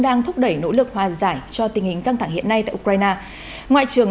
đang thúc đẩy nỗ lực hòa giải cho tình hình căng thẳng hiện nay tại ukraine ngoại trưởng